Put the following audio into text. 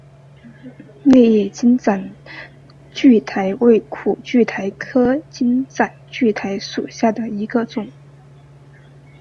裂叶金盏苣苔为苦苣苔科金盏苣苔属下的一个种。